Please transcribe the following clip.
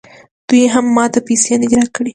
دوی هم ماته پیسې نه دي راکړي